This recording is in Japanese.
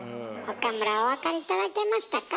岡村お分かり頂けましたか？